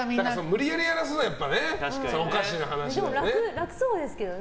無理やりやらせるからおかしな話でね。